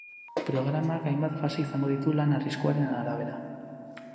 Programak hainbat fase izango ditu lan arriskuaren arabera.